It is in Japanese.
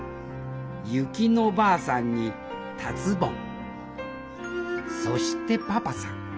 薫乃ばあさんに達ぼんそしてパパさん。